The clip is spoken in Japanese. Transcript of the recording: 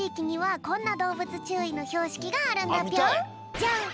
じゃん！